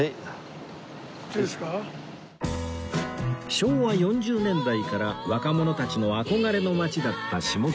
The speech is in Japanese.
昭和４０年代から若者たちの憧れの街だった下北沢